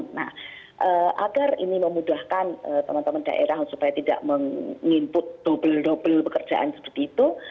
nah agar ini memudahkan teman teman daerah supaya tidak meng input dobel dobel pekerjaan seperti itu